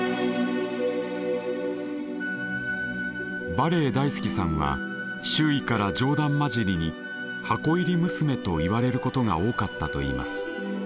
バレエ大好きさんは周囲から冗談交じりに「箱入り娘」と言われることが多かったと言います。